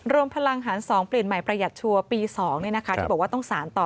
รวมพลังหาร๒เปลี่ยนใหม่ประหยัดชัวร์ปี๒ที่บอกว่าต้องสารต่อ